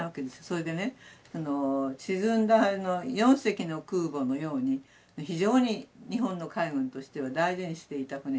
それでね沈んだ４隻の空母のように非常に日本の海軍としては大事にしていた船だし。